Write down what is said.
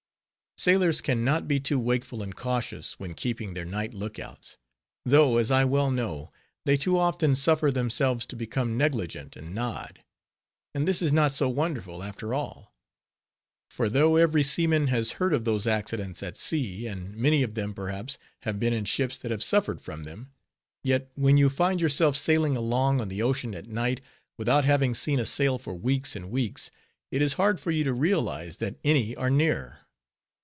Sailors can not be too wakeful and cautious, when keeping their night look outs; though, as I well know, they too often suffer themselves to become negligent, and nod. And this is not so wonderful, after all; for though every seaman has heard of those accidents at sea; and many of them, perhaps, have been in ships that have suffered from them; yet, when you find yourself sailing along on the ocean at night, without having seen a sail for weeks and weeks, it is hard for you to realize that any are near.